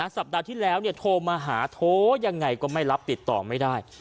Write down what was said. สัปดาห์ที่แล้วโทรมาหาโทรยังไงก็ไม่รับติดต่อไม่ได้